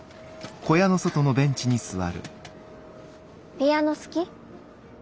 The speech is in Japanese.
ピアノ好き？